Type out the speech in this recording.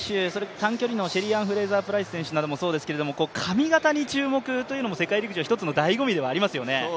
短距離のシェリーアン・フレイザー・プライス選手もそうですけど髪型に注目というのも世界陸上一つのだいご味ではありますよね。